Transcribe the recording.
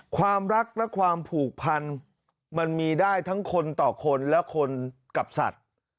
ความรักและความผูกพันมันมีได้ทั้งคนต่อคนและคนกับสัตว์